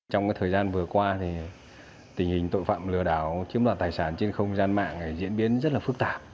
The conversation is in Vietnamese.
trong thời gian vừa qua tình hình tội phạm lừa đảo chiếm đoạt tài sản trên không gian mạng diễn biến rất là phức tạp